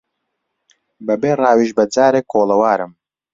بە بێ ڕاویش بەجارێک کۆڵەوارم